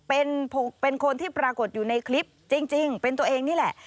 เป็นคนที่ปรากฏอยู่ในคลิปจริงเป็นตัวเองนี่แหละ